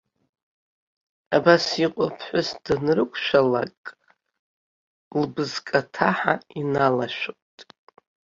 Абас иҟоу аԥҳәыс данрықәшәалак, лбызкаҭаҳа иналашәоит.